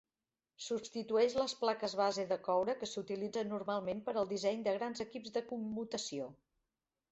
Substitueix les plaques base de coure que s'utilitzen normalment per al disseny de grans equips de commutació.